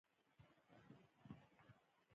رښتینی دوستي نه خرابیږي.